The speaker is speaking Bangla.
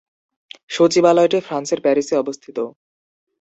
সচিবালয়টি ফ্রান্সের প্যারিসে অবস্থিত।